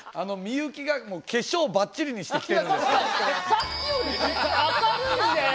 さっきより明るいんだよ！